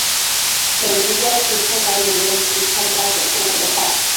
每集标题通常引用自参加者说过的话。